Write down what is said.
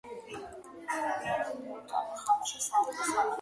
იგი ახშობდა მუშათა მოძრაობას.